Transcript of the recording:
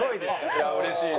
いやうれしいね。